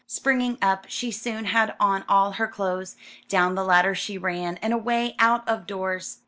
Springing up, she soon had on all her clothes. Down the ladder she ran, and away out of doors.